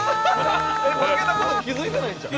「負けた事に気づいてないんちゃう？」